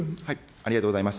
ありがとうございます。